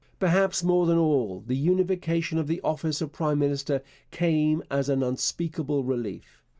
Perhaps more than all, the unification of the office of prime minister came as an unspeakable relief.